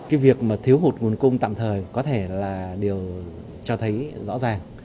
cái việc mà thiếu hụt nguồn cung tạm thời có thể là điều cho thấy rõ ràng